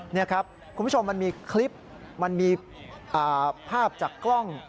นี่ครับคุณผู้ชมมันมีคลิปมันมีภาพจากกล้อง